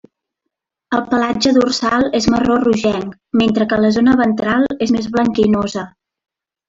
El pelatge dorsal és marró rogenc, mentre que la zona ventral és més blanquinosa.